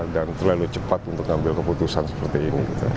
dan terlalu cepat untuk ngambil keputusan seperti ini